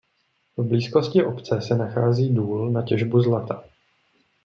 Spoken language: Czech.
V blízkosti obce se nachází důl na těžbu zlata.